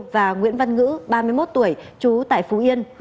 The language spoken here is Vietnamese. và nguyễn văn ngữ ba mươi một tuổi trú tại phú yên